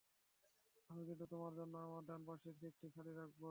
আমি কিন্তু তোমার জন্য আমার ডান পাশের সিটটি খালি রাখবো।